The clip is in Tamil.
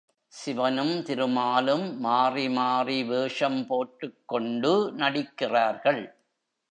சிவனும் திருமாலும் மாறி மாறி வேஷம் போட்டுக் கொண்டு நடிக்கிறார்கள்.